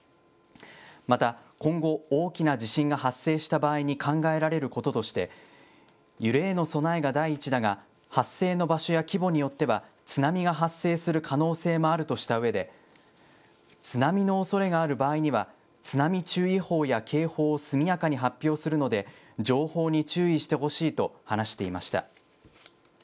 また、今後、大きな地震が発生した場合に考えられることとして、揺れへの備えが第一だが、発生の場所や規模によっては、津波が発生する可能性もあるとしたうえで、津波のおそれがある場合には、津波注意報や警報を速やかに発表するので、情報に注意してほしいと話していました。